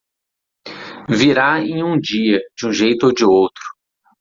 Virá em um dia, de um jeito ou de outro.